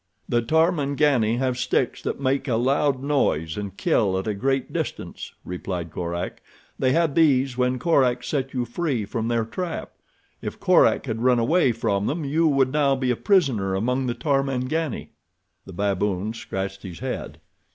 "The Tarmangani have sticks that make a loud noise and kill at a great distance," replied Korak. "They had these when Korak set you free from their trap. If Korak had run away from them you would now be a prisoner among the Tarmangani." The baboon scratched his head.